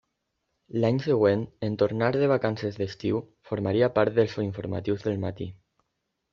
L'any següent, en tornar de vacances d'estiu formaria part dels informatius del matí.